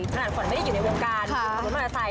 สำหรับคนไม่ได้อยู่ในวงการธรรมดาศัย